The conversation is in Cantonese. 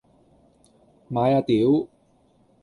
買啊屌！